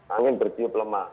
angin berdiup lemah